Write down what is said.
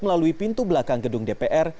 melalui pintu belakang gedung dpr